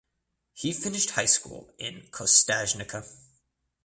He finished high school in Kostajnica.